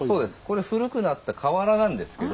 これ古くなった瓦なんですけど。